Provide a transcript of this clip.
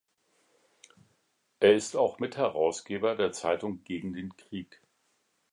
Er ist auch Mitherausgeber der "Zeitung gegen den Krieg".